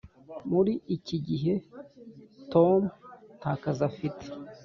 muri iki gihe tom nta kazi afite.